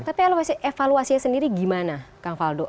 tapi evaluasinya sendiri gimana kang faldo